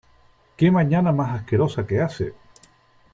¡Qué mañana más asquerosa que hace!